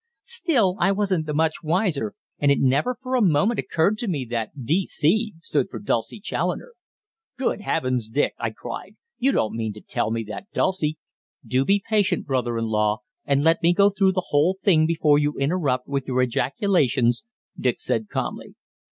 _" "Still, I wasn't much the wiser, and it never for a moment occurred to me that D.C. stood for Dulcie Challoner " "Good heavens, Dick!" I cried, "you don't mean to tell me that Dulcie " "Do be patient, brother in law, and let me go through the whole thing before you interrupt with your ejaculations," Dick said calmly.